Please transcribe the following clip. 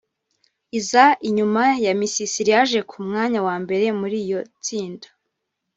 iza inyuma ya Misisiri yaje ku mwanya wa mbere muri iryo tsinda